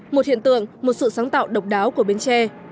một hiện tượng một sự sáng tạo độc đáo của bến tre